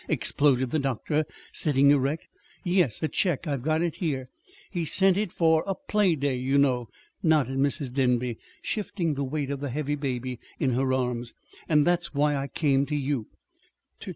exploded the doctor, sitting erect. "Yes; a check. I've got it here. He sent it for a playday, you know," nodded Mrs. Denby, shifting the weight of the heavy baby in her arms. "And and that's why I came to you."